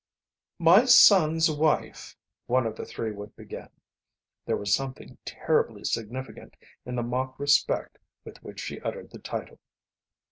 "My son's wife " one of the three would begin. There was something terribly significant in the mock respect with which she uttered the title.